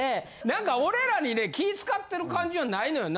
なんか俺らにね気ぃ使ってる感じはないのよ。